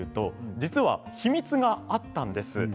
実は秘密があったんです。